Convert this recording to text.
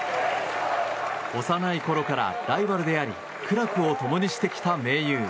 幼いころからライバルであり苦楽を共にしてきた盟友。